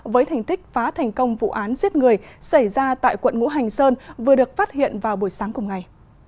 với thành tích phá thành công vụ án giết người xảy ra tại quận ngũ hành sơn vừa được phát hiện vào buổi sáng cùng ngày